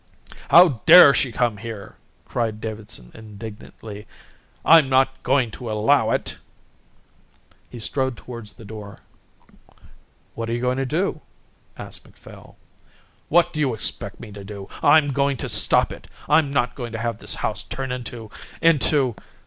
"How dare she come here!" cried Davidson indignantly. "I'm not going to allow it." He strode towards the door. "What are you going to do?" asked Macphail. "What do you expect me to do? I'm going to stop it. I'm not going to have this house turned into into...."